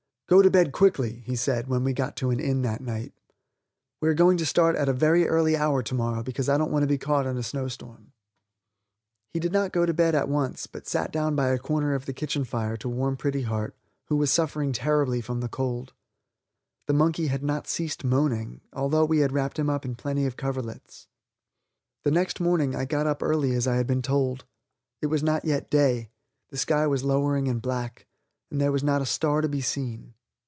"Go to bed quickly," he said, when we got to an inn that night; "we are going to start at a very early hour to morrow, because I don't want to be caught in a snowstorm." He did not go to bed at once, but sat down by a corner of the kitchen fire to warm Pretty Heart, who was suffering terribly from the cold. The monkey had not ceased moaning, although we had wrapped him up in plenty of coverlets. The next morning I got up early as I had been told. It was not yet day, the sky was lowering and black, and there was not a star to be seen.